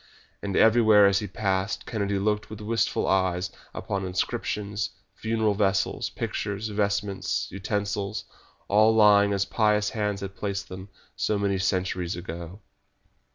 And everywhere as he passed Kennedy looked with wistful eyes upon inscriptions, funeral vessels, pictures, vestments, utensils, all lying as pious hands had placed them so many centuries ago.